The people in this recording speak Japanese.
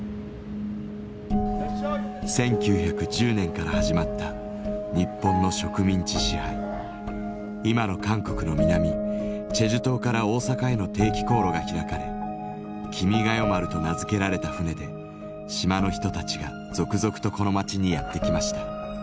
１９１０年から始まった日本の植民地支配今の韓国の南チェジュ島から大阪への定期航路が開かれ「君が代丸」と名付けられた船で島の人たちが続々とこの町にやって来ました。